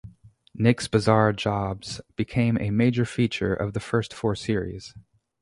Nick's bizarre jobs became a major feature of the first four series.